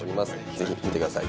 ぜひ見てください。